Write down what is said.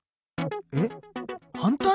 えっ反対！？